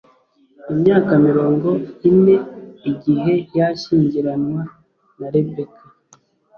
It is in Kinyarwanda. imyaka mirongo ine igihe yashyingiranwaga na rebeka